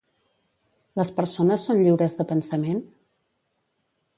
Les persones són lliures de pensament?